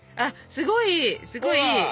すごいすごいいい。